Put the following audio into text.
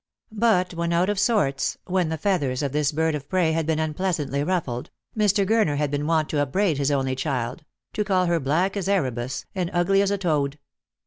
But when out of sorts — when the feathers of this bird of prey had been unpleasantly ruffled — Mr. Gurner had been wont to upbraid his only child — to call her black as Erebus, and ugly as a toad.